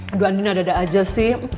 aduh andin ada ada aja sih